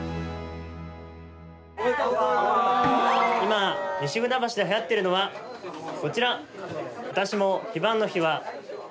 今、西船橋ではやっているのは、こちら。